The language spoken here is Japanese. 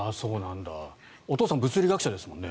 お父さん物理学者ですもんね。